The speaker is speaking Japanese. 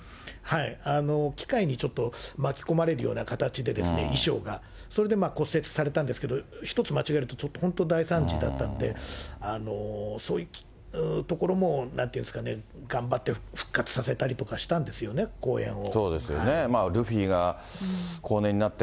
機械にちょっと巻き込まれるような形で、衣装が、それで骨折されたんですけれども、一つ間違えると、ちょっと本当、大惨事だったんで、そういうところもなんというんですかね、頑張って復活させたりとかしたんですよね、公演を。